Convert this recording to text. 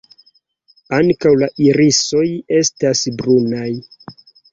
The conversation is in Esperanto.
Ankaŭ la irisoj estas brunaj.